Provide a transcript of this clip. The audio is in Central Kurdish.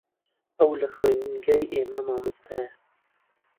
ئەو لە خوێندنگەی ئێمە مامۆستایە.